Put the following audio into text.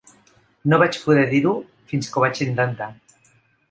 No vaig poder dir-ho fins que ho vaig intentar.